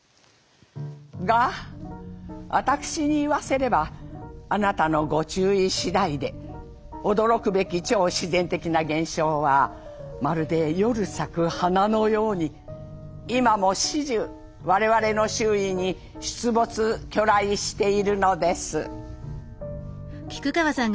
が私に言わせればあなたのご注意次第で驚くべき超自然的な現象はまるで夜咲く花のように今も始終我々の周囲に出没去来しているのです」。